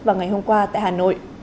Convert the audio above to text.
vào ngày hôm qua tại hà nội